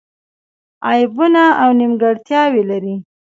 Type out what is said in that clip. عیبونه او نیمګړتیاوې لري.